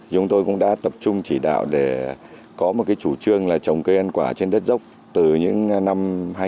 chúng tôi cũng đã tập trung chỉ đạo để có một chủ trương là trồng cây ăn quả trên đất dốc từ những năm hai nghìn một mươi